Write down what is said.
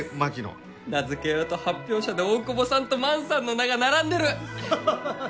名付け親と発表者で大窪さんと万さんの名が並んでる！